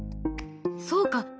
そうか！